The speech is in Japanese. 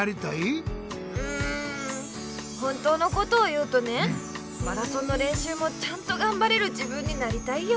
うん本当のことを言うとねマラソンのれんしゅうもちゃんとがんばれる自分になりたいよ。